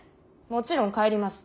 もちろん帰ります。